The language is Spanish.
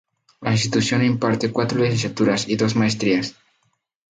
La institución imparte cuatro licenciaturas y dos maestrías.